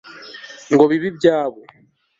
ngo bibe ibyabo